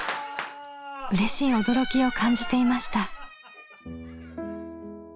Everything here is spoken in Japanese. うれしい驚きを感じていました。